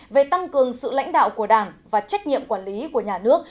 về tăng cường sự lãnh đạo của đảng và trách nhiệm quản lý của nhà nước